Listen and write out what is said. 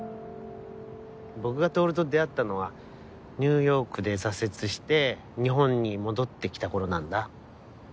僕が透と出会ったのはニューヨークで挫折して日本に戻ってきたころなんだ。